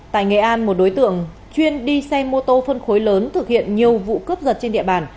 tại nghệ an một đối tượng chuyên đi xe mô tô phân khối lớn thực hiện nhiều vụ cướp giật trên địa bàn